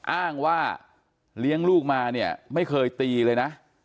อ้างว่าเลี้ยงลูกมาเนี่ยไม่เคยตีเลยนะ